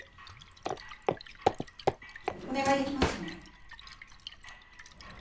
お願いできますよね？